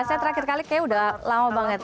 saya terakhir kali kayaknya udah lama banget